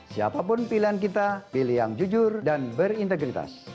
siapapun pilihan kita pilih yang jujur dan berintegritas